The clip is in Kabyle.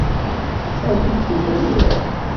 Ad tt-id-temmagrem?